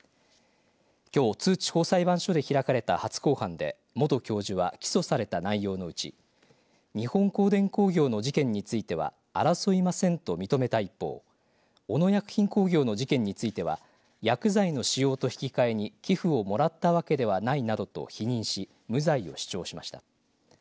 きょう津地方裁判所で開かれた初公判で元教授は起訴された内容のうち日本光電工業の事件については争いませんと認めた一方小野薬品工業の事件については薬剤の使用と引き換えに寄付をもらったわけではないなどと否認し無罪を主張しました。